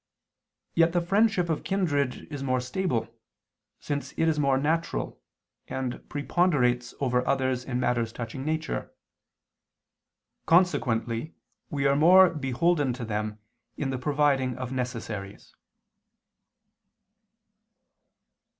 Yet the friendship of kindred is more stable, since it is more natural, and preponderates over others in matters touching nature: consequently we are more beholden to them in the providing of necessaries.